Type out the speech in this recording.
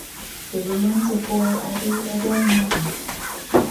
The ruins of Boyle Abbey are well-known.